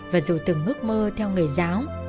và dù từng ước mơ theo người giáo